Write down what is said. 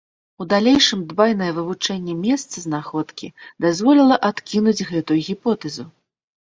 У далейшым дбайнае вывучэнне месца знаходкі дазволіла адкінуць гэтую гіпотэзу.